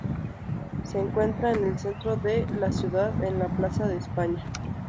Se encuentra en el centro de la ciudad, en la plaza de España.